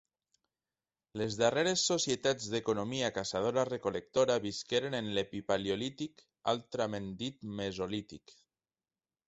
Les darreres societats d'economia caçadora recol·lectora visqueren en l'epipaleolític altrament dit mesolític.